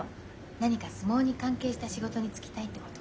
何か相撲に関係した仕事に就きたいってこと。